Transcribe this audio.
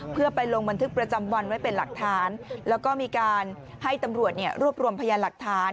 เพื่อไปลงบันทึกประจำวันไว้เป็นหลักฐานแล้วก็มีการให้ตำรวจรวบรวมพยานหลักฐาน